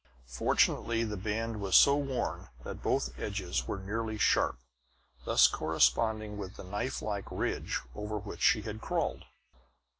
Fortunately the band was so worn that both edges were nearly sharp, thus corresponding with the knifelike ridge over which she had crawled.